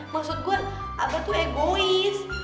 maksud gue abah tuh egois